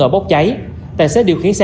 việt về trường